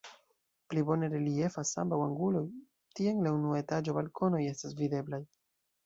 Pli bone reliefas ambaŭ anguloj, tie en la unua etaĝo balkonoj estas videblaj.